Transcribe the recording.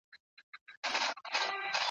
وطن به هلته سور او زرغون سي ,